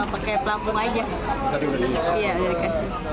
pakai pelampung aja